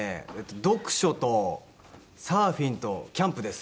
読書とサーフィンとキャンプです。